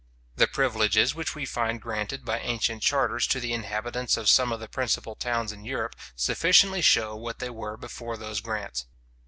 The privileges which we find granted by ancient charters to the inhabitants of some of the principal towns in Europe, sufficiently show what they were before those grants.